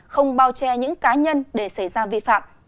không bao che những cá nhân để xảy ra vi phạm